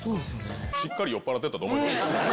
しっかり酔っぱらってたと思いますよ。